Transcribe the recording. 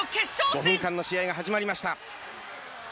５分間の試合が始まりました。